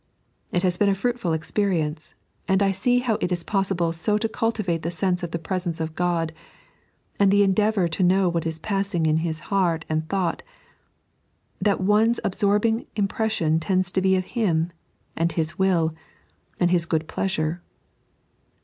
It has been a fruitful experience, and I see how it ia possible so to cultivate the sense of the presence of God, and the endeavour to know what is passing in His heart and thought, that one's absorbing impression tends to be of Him, and His will, and His good pleasure.